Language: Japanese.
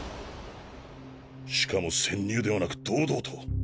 しかも潜入ではなく堂々と。